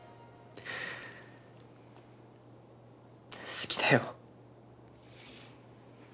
好きだよ。